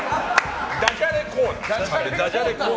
ダジャレコーナー。